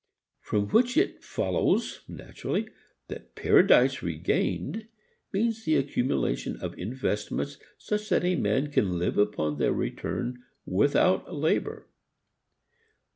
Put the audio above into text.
From which it follows naturally that Paradise Regained means the accumulation of investments such that a man can live upon their return without labor.